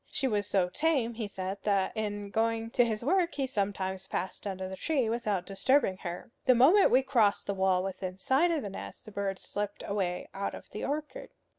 She was so tame, he said, that in going to his work he sometimes passed under the tree without disturbing her. The moment we crossed the wall within sight of the nest, the bird slipped away out of the orchard.